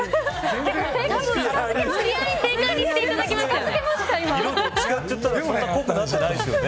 無理やり正解にしていただきましたよね。